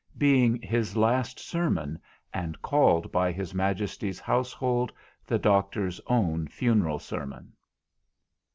_ _BEING HIS LAST SERMON, AND CALLED BY HIS MAJESTY'S HOUSEHOLD, THE DOCTOR'S OWN FUNERAL SERMON.